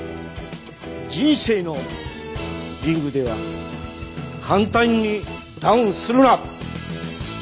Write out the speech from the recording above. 人生のリングでは簡単にダウンするな。